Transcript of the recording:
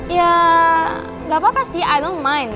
ya gak apa apa sih i don't mind